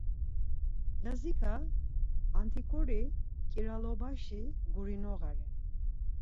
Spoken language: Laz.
Lazika, antiǩuri ǩiralobaşi gurinoğa ren.